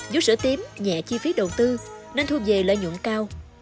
vú sữa tím nhẹ chi phí đầu tư nên thu về lợi nhuận cao